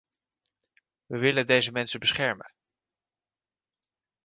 We willen deze mensen beschermen.